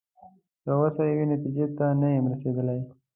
تر اوسه یوې نتیجې ته نه یم رسیدلی.